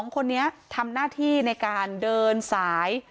๒คนนี้ทำหน้าที่ในการเดินสาย